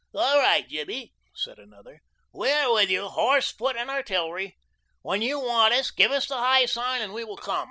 "All right, Jimmy," said another. "We are with you, horse, foot and artillery. When you want us, give us the high sign and we will come.